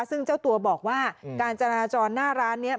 ซึ่งเจ้าตัวบอกว่าการจราจรหน้าร้านนี้